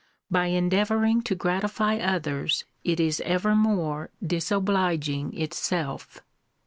By endeavouring to gratify others, it is evermore disobliging itself!